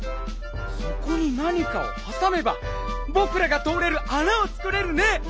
そこになにかをはさめばぼくらがとおれるあなをつくれるね！